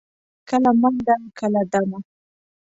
کله منډه، کله دمه.